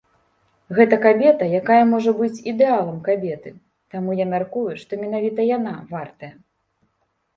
Гэта кабета, якая можа быць ідэалам кабеты, таму я мяркую, што менавіта яна вартая.